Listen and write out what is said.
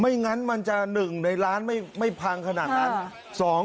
งั้นมันจะ๑ในล้านไม่พังขนาดนั้น